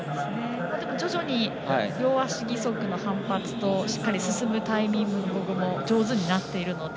徐々に両足義足の反発としっかり進むタイミングも上手になっているので。